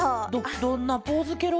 どんなポーズケロ？